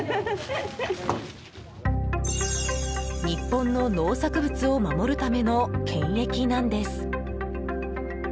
日本の農作物を守るための検疫なんです。